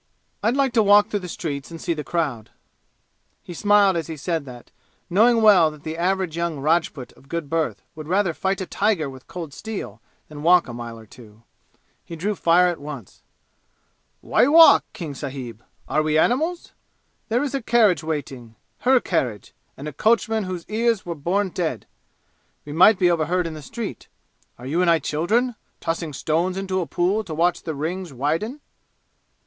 "I'd like to walk through the streets and see the crowd." He smiled as he said that, knowing well that the average young Rajput of good birth would rather fight a tiger with cold steel than walk a mile or two. He drew fire at once. "Why walk, King sahib? Are we animals? There is a carriage waiting her carriage and a coachman whose ears were born dead. We might be overheard in the street. Are you and I children, tossing stones into a pool to watch the rings widen!"